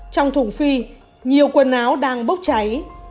trong thùng phi nhiều quần áo đang bốc cháy